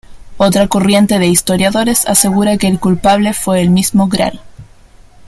Otra corriente de historiadores asegura que el culpable fue el mismo Gral.